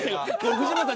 藤本さん